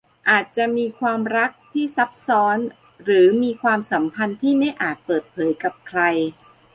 อาจจะมีความรักที่ซับซ้อนหรือมีความสัมพันธ์ที่ไม่อาจเปิดเผยกับใคร